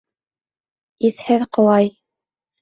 Иҫһеҙ ҡолай.